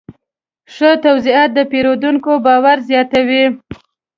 ښه توضیحات د پیرودونکي باور زیاتوي.